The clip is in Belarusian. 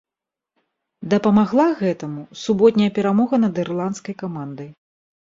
Дапамагла гэтаму суботняя перамога над ірландскай камандай.